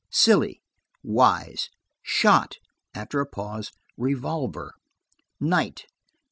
"Silly." "Wise." "Shot." After a pause, "revolver." "Night."